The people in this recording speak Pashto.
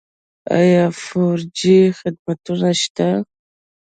آیا فور جي خدمتونه شته؟